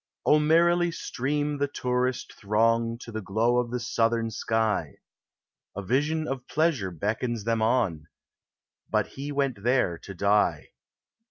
Oh merrily stream the tourist throng To the glow of the Southern sky ; A vision of pleasure beckons them on, But he went there to die.